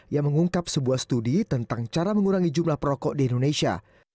yang mengungkap sebuah studi tentang cara mengurangi jumlah perokok di indonesia